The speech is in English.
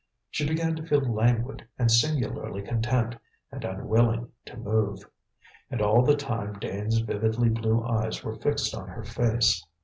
She began to feel languid and singularly content, and unwilling to move. And all the time Dane's vividly blue eyes were fixed on her face.